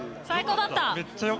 最高だった。